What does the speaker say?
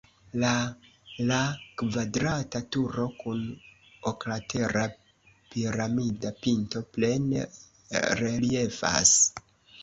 La la kvadrata turo kun oklatera piramida pinto plene reliefas.